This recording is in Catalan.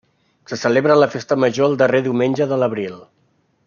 Se celebra la festa major el darrer diumenge d'abril.